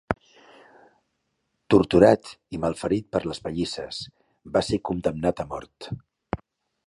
Torturat i malferit per les pallisses, va ser condemnat a mort.